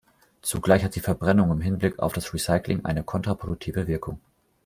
Zugleich hat die Verbrennung im Hinblick auf das Recycling eine kontraproduktive Wirkung.